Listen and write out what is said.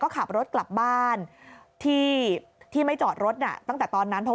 ขับรถกลับบ้านที่ที่ไม่จอดรถน่ะตั้งแต่ตอนนั้นเพราะ